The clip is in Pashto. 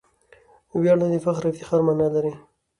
ویاړنه دفخر او افتخار مانا لري.